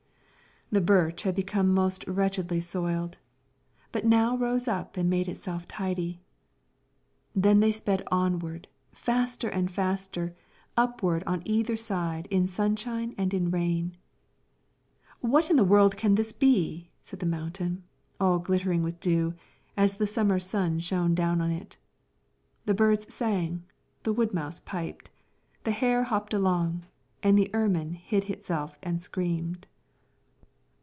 The birch had become most wretchedly soiled, but now rose up and made itself tidy. Then they sped onward, faster and faster, upward and on either side, in sunshine and in rain. "What in the world can this be?" said the mountain, all glittering with dew, as the summer sun shone down on it. The birds sang, the wood mouse piped, the hare hopped along, and the ermine hid itself and screamed.